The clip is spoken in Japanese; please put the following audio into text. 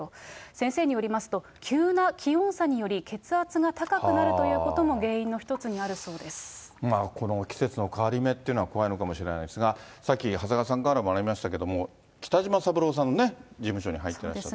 先生によりますと、急な気温差により、血圧が高くなるということこの季節の変わり目っていうのは怖いのかもしれないですが、さっき長谷川さんからもありましたけども、北島三郎さんのね、事務所に入ってらっしゃって。